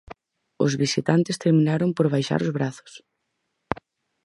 Os visitantes terminaron por baixar os brazos.